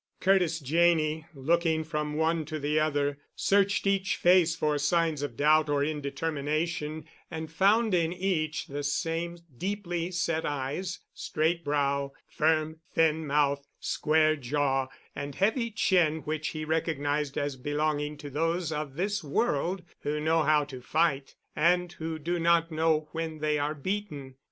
Curtis Janney, looking from one to the other, searched each face for signs of doubt or indetermination and found in each the same deeply set eyes, straight brow, firm, thin mouth, square jaw, and heavy chin which he recognized as belonging to those of this world who know how to fight and who do not know when they are beaten.